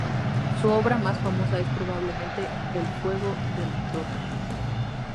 Su obra más famosa es probablemente "El fuego de Róterdam".